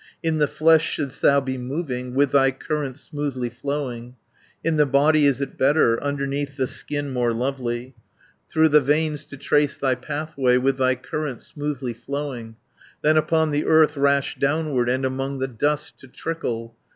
In the flesh should'st thou be moving, With thy current smoothly flowing. In the body is it better, Underneath the skin more lovely Through the veins to trace thy pathway, With thy current smoothly flowing, 360 Than upon the earth rash downward, And among the dust to trickle.